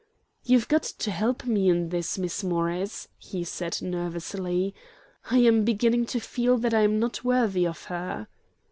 "You've got to help me in this, Miss Morris," he said, nervously. "I am beginning to feel that I am not worthy of her."